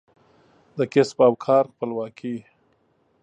د کسب او کار خپلواکي